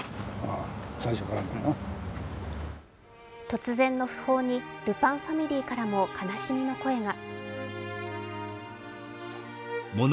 突然の訃報にルパンファミリーからも悲しみの声が。